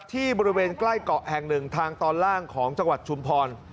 บริเวณใกล้เกาะแห่งหนึ่งทางตอนล่างของจังหวัดชุมพร